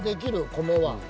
「米」は。